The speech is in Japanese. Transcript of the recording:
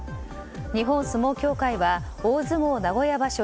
日本相撲協会は大相撲名古屋場所